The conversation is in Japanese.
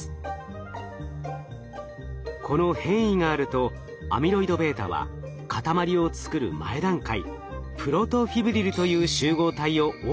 この変異があるとアミロイドβは塊を作る前段階プロトフィブリルという集合体を多く作ります。